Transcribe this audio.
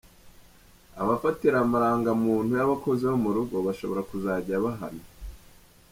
Abafatira amarangamuntu y’ abakozi bo mu rugo bashobora kuzajya bahanwa.